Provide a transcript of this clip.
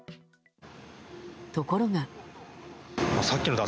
ところが。